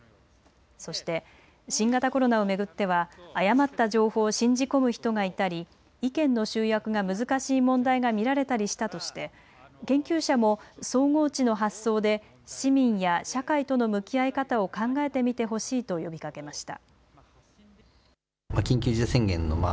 そして、新型コロナを巡っては誤った情報を信じ込む人がいたり意見の集約が難しい問題が見られたりしたとして研究者も総合知の発想で市民や社会との向き合い方を考えてみてほしいと呼びかけました。